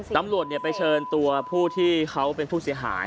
ตำรวจไปเชิญตัวผู้ที่เขาเป็นผู้เสียหาย